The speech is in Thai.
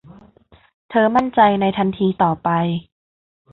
เธอมั่นใจในทันทีต่อไป